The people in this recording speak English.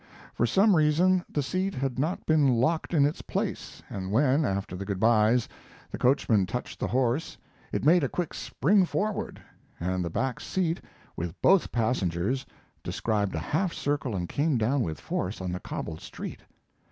For some reason the seat had not been locked in its place, and when, after the good bys, the coachman touched the horse it made a quick spring forward, and the back seat, with both passengers, described a half circle and came down with force on the cobbled street.